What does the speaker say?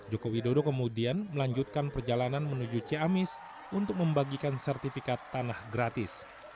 joko widodo kemudian melanjutkan perjalanan menuju ciamis untuk membagikan sertifikat tanah gratis